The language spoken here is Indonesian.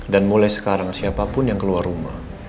dan mulai sekarang siapapun yang keluar rumah